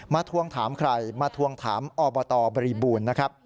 มาทวงถามใครมาทวงถามอบตบริบูรณ์